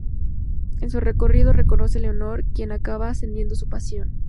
En su recorrido, conoce a Leonor, quien acaba encendiendo su pasión.